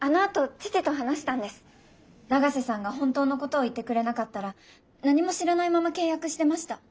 永瀬さんが本当のことを言ってくれなかったら何も知らないまま契約してました。